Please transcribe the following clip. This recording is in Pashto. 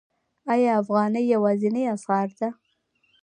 آیا افغانۍ یوازینۍ اسعار ده؟